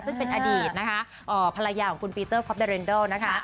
ซึ่งเป็นอดีตนะคะภรรยาของคุณปีเตอร์คอปเดเรนดอลนะคะ